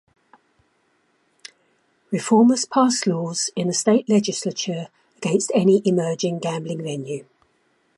Reformers passed laws in the state legislature against any emerging gambling venue.